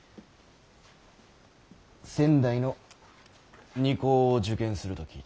仙台の二高を受験すると聞いた。